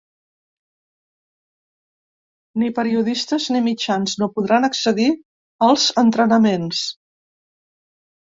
Ni periodistes ni mitjans no podran accedir als entrenaments.